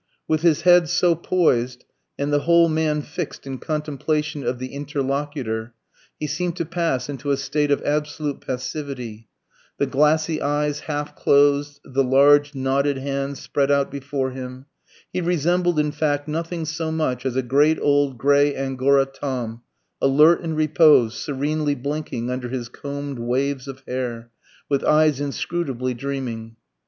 With his head so poised and the whole man fixed in contemplation of the interlocutor he seemed to pass into a state of absolute passivity ... the glassy eyes half closed, the large knotted hands spread out before him. He resembled, in fact, nothing so much as "a great old grey Angora Tom," alert in repose, serenely blinking under his combed waves of hair, with eyes inscrutably dreaming....